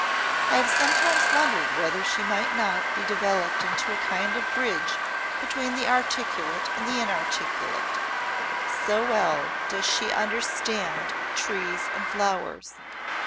I have sometimes wondered whether she might not be developed into a kind of bridge between the articulate and the inarticulate, so well does she understand trees and flowers.